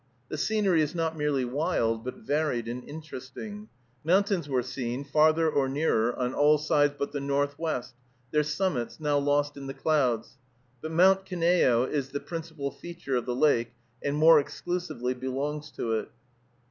The scenery is not merely wild, but varied and interesting; mountains were seen, farther or nearer, on all sides but the northwest, their summits now lost in the clouds; but Mount Kineo is the principal feature of the lake, and more exclusively belongs to it.